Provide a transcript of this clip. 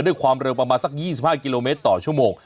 ด้วยความเร็วประมาณสัก๒๕กิโลเมตรต่อชั่วโมง